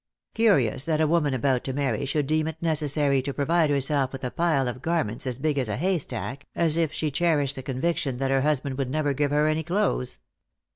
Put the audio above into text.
Curious that a woman about to marry should deem it necessary to provide herself with a pile of garments as big as a haystack, as if she cherished the conviction that her husband would never give her any clothes."